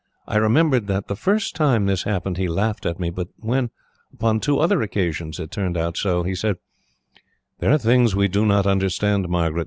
I remember that, the first time this happened, he laughed at me; but when, upon two other occasions, it turned out so, he said: "'There are things we do not understand, Margaret.